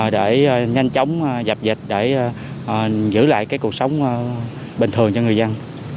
để nhanh chóng dập dịch để giữ lại cuộc sống bình thường cho người dân